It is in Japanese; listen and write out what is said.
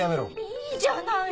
いいじゃないの！